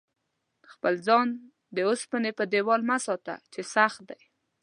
خپل ځان د اوسپنې په دېوال مه ساته چې سخت دی.